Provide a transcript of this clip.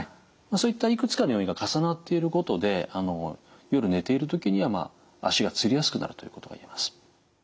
そういったいくつかの要因が重なっていることで夜寝ている時には足がつりやすくなるということが言えます。